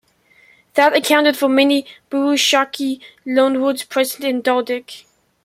That accounted for many Burushaski loanwords present in Dardic.